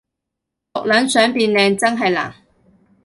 毒撚想變靚真係難